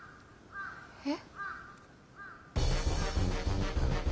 えっ。